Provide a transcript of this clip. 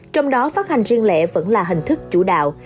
trong đó phát hành riêng lẻ vẫn là hình thức chủ đạo